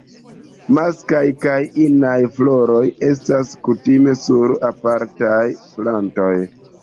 Masklaj kaj inaj floroj estas kutime sur apartaj plantoj.